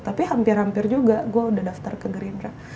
tapi hampir hampir juga gue udah daftar ke gerindra